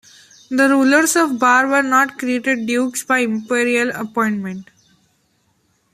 The rulers of Bar were not created dukes by imperial appointment.